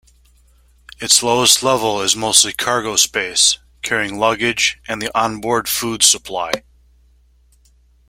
Its lowest level is mostly cargo space, carrying luggage and the onboard food supply.